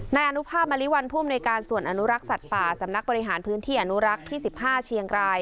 นายอนุภาพมริวัลผู้อำนวยการส่วนอนุรักษ์สัตว์ป่าสำนักบริหารพื้นที่อนุรักษ์ที่๑๕เชียงราย